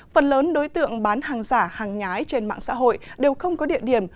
phần lớn đối tượng bán hàng giả hàng nhái trên mạng xã hội đều không có địa điểm